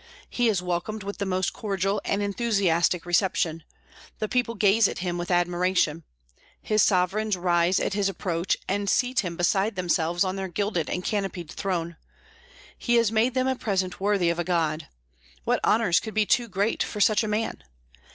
He is welcomed with the most cordial and enthusiastic reception; the people gaze at him with admiration. His sovereigns rise at his approach, and seat him beside themselves on their gilded and canopied throne; he has made them a present worthy of a god. What honors could be too great for such a man!